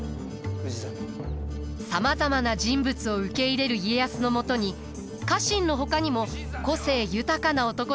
さまざまな人物を受け入れる家康のもとに家臣のほかにも個性豊かな男たちが集います。